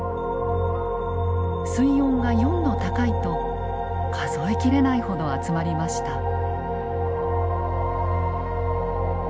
水温が４℃高いと数え切れないほど集まりました。